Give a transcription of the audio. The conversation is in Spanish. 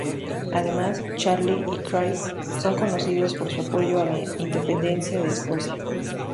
Además, Charlie y Craig son conocidos por su apoyo a la independencia de Escocia.